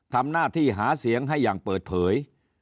ทำหน้าที่หาเสียงให้อย่างเปิดเผย